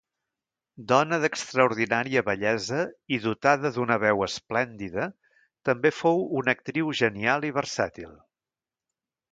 Dona d'extraordinària bellesa i dotada d'una veu esplèndida, també fou una actriu genial i versàtil.